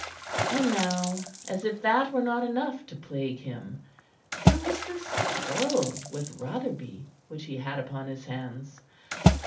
And now, as if that were not enough to plague him, there was this quarrel with Rotherby which he had upon his hands.